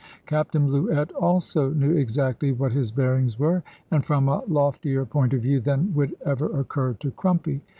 Captain Bluett also knew exactly what his bearings were, and from a loftier point of view than would ever occur to Crumpy.